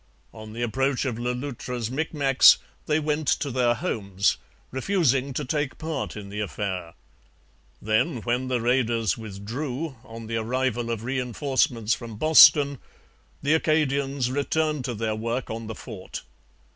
On the approach of Le Loutre's Micmacs they went to their homes, refusing to take part in the affair. Then when the raiders withdrew, on the arrival of reinforcements from Boston, the Acadians returned to their work on the fort.